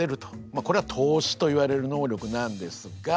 これは透視といわれる能力なんですが。